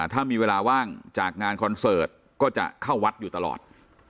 ถ้ามีเวลาว่างจากงานคอนเสิร์ตก็จะเข้าวัดอยู่ตลอด